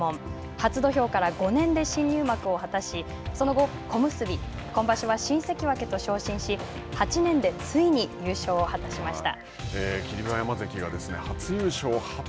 初土俵から５年で新入幕を果たし、その後、小結今場所は新関脇と昇進し８年でついに優勝を果たしました。